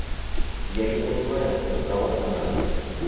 Я не понимаю, — сказала она.